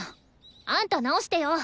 あんた直してよ。